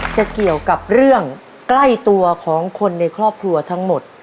เกี่ยวกับเรื่องใกล้ตัวของคนในครอบครัวทั้งหมด